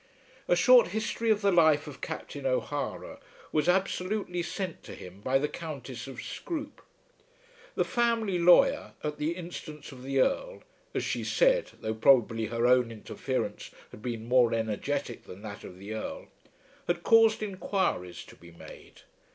A short history of the life of Captain O'Hara was absolutely sent to him by the Countess of Scroope. The family lawyer, at the instance of the Earl, as she said, though probably her own interference had been more energetic than that of the Earl, had caused enquiries to be made.